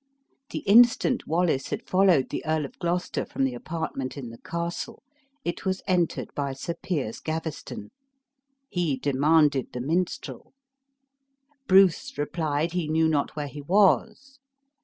The instant Wallace had followed the Earl of Gloucester from the apartment in the castle, it was entered by Sir Piers Gaveston. He demanded the minstrel. Bruce replied, he knew not where he was.